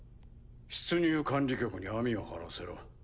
出入管理局に網を張らせろ。